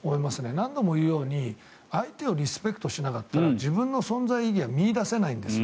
何度も言うように相手をリスペクトしなかったら自分の存在意義は見いだせないんです。